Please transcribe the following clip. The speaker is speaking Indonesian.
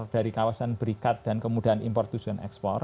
dari kawasan berikat dan kemudahan impor tujuan ekspor